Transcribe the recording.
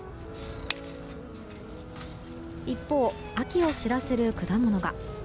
一方、秋を知らせる果物が。